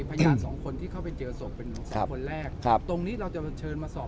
พยานสองคนที่เข้าไปเจอศพเป็นสองคนแรกครับตรงนี้เราจะเชิญมาสอบ